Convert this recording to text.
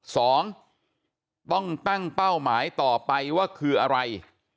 สองต้องตั้งเป้าหมายต่อไปว่าคืออะไร